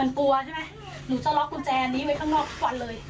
หนูจะล็อกกุญแจนี้ไว้ข้างนอกทุกวันเลย